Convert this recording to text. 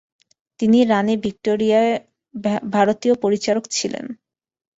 তিনি রানী ভিক্টোরিয়ার ভারতীয় পরিচারক ছিলেন।